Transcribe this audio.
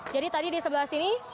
jadi tadi di sebelah sini